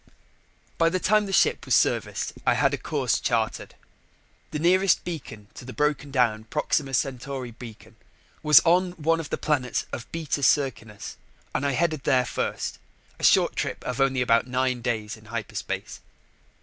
By the time the ship was serviced, I had a course charted. The nearest beacon to the broken down Proxima Centauri Beacon was on one of the planets of Beta Circinus and I headed there first, a short trip of only about nine days in hyperspace.